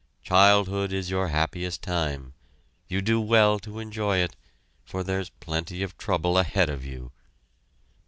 Childhood is your happiest time you do well to enjoy it, for there's plenty of trouble ahead of you!"